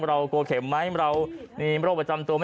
เรากลัวเข็มไหมเรามีโรคประจำตัวไหม